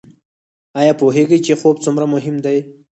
ایا پوهیږئ چې خوب څومره مهم دی؟